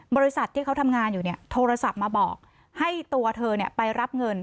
บริษัทที่เขาทำงานอยู่เนี่ยโทรศัพท์มาบอกให้ตัวเธอไปรับเงิน